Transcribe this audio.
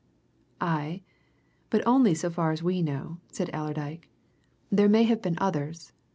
"Aye, but only so far as we know," said Allerdyke. "There may have been others.